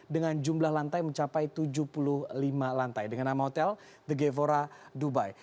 dengan jumlah lantai mencapai tujuh puluh lima lantai dengan nama hotel the gevora dubai